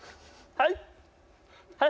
はい！」。